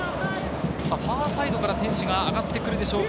ファーサイドから選手が上がってくるでしょうか？